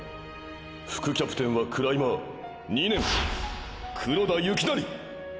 副キャプテンはクライマー２年黒田雪成！！